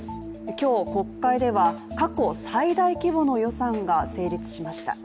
今日、国会では過去最大規模の予算が成立しました。